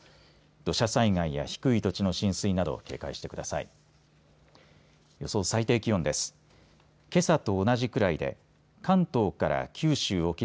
土砂災害や低い土地の浸水など警戒してください。